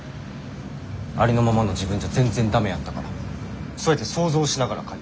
ありのままの自分じゃ全然ダメやったからそうやって想像しながら書いた。